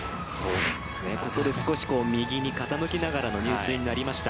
ここで、少し右に傾きながらの入水になりました。